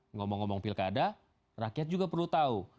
ngomong ngomong pilkada rakyat juga perlu tahu